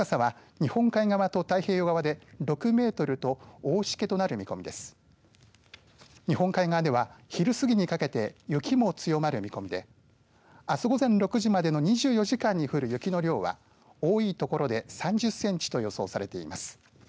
日本海側では、昼過ぎにかけて雪も強まる見込みであす午前６時までの２４時間に降る雪の量は多い所で３０センチと予想されています。